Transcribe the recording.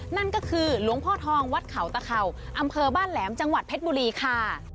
นั่นก็คือหลวงพ่อทองวัดเขาตะเข่าอำเภอบ้านแหลมจังหวัดเพชรบุรีค่ะ